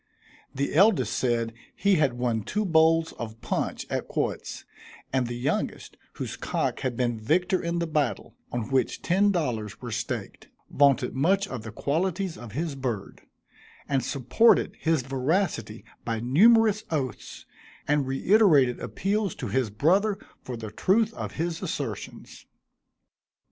The eldest said, he had won two bowls of punch at quoits; and the youngest, whose cock had been victor in the battle, on which ten dollars were staked, vaunted much of the qualities of his bird; and supported his veracity by numerous oaths, and reiterated appeals to his brother for the truth of his assertions.